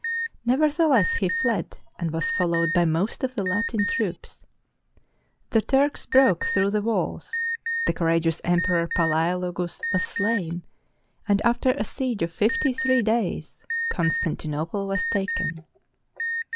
Nevertheless, he fled, and was fol lowed by most of the Latin troops. The Turks broke through the walls, the courageous emperor Palaeologus was slain, and after a siege of fifty three days, Constantinople was taken.